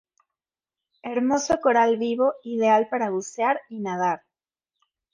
Hermoso coral vivo ideal para bucear y nadar.